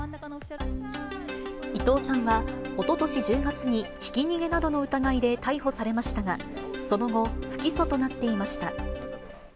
伊藤さんは、おととし１０月にひき逃げなどの疑いで逮捕されましたが、その後、不起訴となっていました。